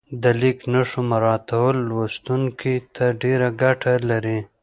د لیک نښو مراعاتول لوستونکي ته ډېره ګټه لري.